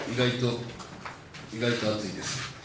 意外と厚いです。